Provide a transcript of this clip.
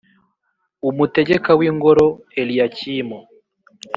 Umutegeka w’ingoro Eliyakimu,